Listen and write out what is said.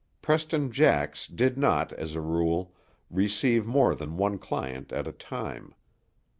Preston Jax did not, as a rule, receive more than one client at a time.